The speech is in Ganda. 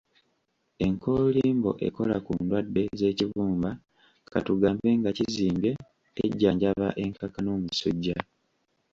Enkoolimbo ekola ku ndwadde z'ekibumba, katugambe nga kizimbye, ejjanjaba enkaka, n'omusujja.